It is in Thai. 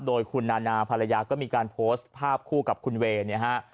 โดยคุณนานาภรรยาก็มีการโพสต์ภาพคู่กับคุณเวย์เนี่ยฮะ